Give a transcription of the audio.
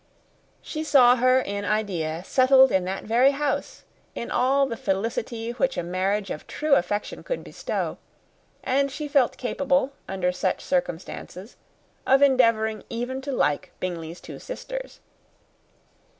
She saw her in idea settled in that very house, in all the felicity which a marriage of true affection could bestow; and she felt capable, under such circumstances, of endeavouring even to like Bingley's two sisters.